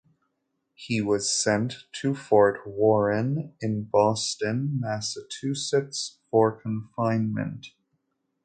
He was sent to Fort Warren in Boston, Massachusetts for confinement.